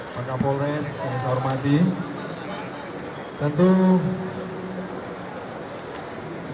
tentu lalu muhammad zohri